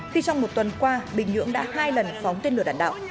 khi trong một tuần qua bình nhưỡng đã hai lần phóng tên lửa đạn đạo